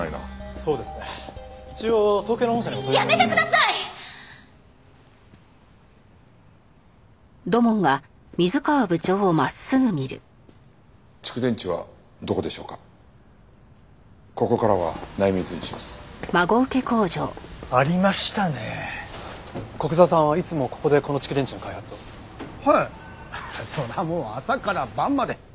そらもう朝から晩まで。